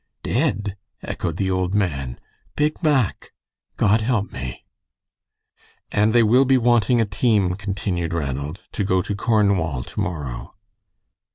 "Dead!" echoed the old man. "Big Mack! God help me." "And they will be wanting a team," continued Ranald, "to go to Cornwall to morrow."